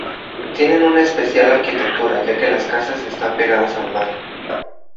Tienen una especial arquitectura ya que las casas están pegadas al mar.